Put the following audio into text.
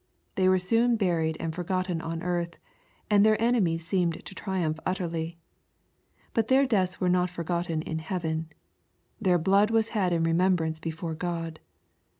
They were soon buried and for gotten on earth, and their enemies seemed to triumph utterly. But their deaths were not forgotten in heaven. Their blood was had in remembrance before God.